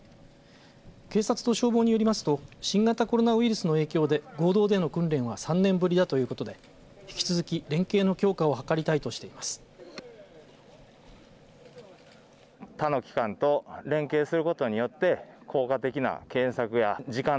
警察と消防によりますと新型コロナウイルスの影響で合同での訓練は３年ぶりだということで引き続き連携の強化を図りたいとしています。